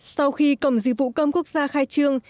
sau khi cổng dịch vụ công quốc gia khai trương